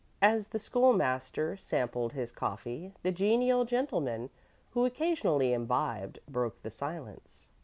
As the School master sampled his coffee the genial gentleman who occasionally imbibed broke the silence.